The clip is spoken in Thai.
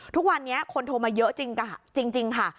ทุกวันนี้คนโทรมาเยอะจริงค่ะ